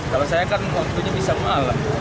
kalau saya kan waktunya bisa malam